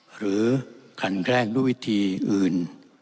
หรือกันแกล้งด้วยวิธีอื่น